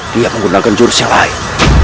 dia menggunakan jurus yang lain